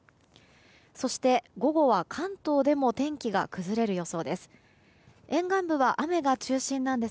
そして、午後は関東でも天気が崩れる予想です。